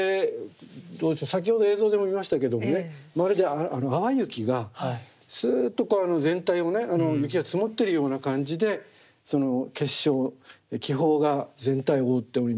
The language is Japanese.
先ほど映像でも見ましたけどもねまるで淡雪がすっと全体をね雪が積もってるような感じでその結晶気泡が全体を覆っておりまして。